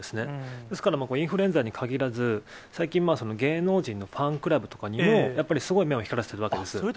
ですから、インフルエンサーにかぎらず、最近、芸能人のファンクラブとかにも、やっぱりすごい目を光らせているわけです。